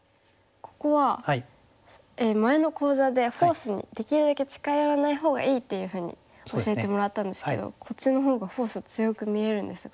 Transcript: ここは前の講座でフォースにできるだけ近寄らないほうがいいっていうふうに教えてもらったんですけどこっちのほうがフォース強く見えるんですが。